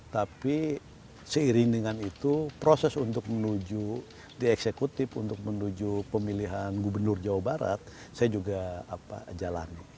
tapi seiring dengan itu proses untuk menuju di eksekutif untuk menuju pemilihan gubernur jawa barat saya juga jalani